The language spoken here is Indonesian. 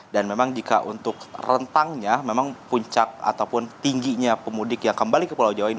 dan memang jika untuk rentangnya memang puncak ataupun tingginya pemudik yang kembali ke pulau jawa ini